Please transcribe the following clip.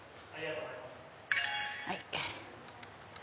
はい。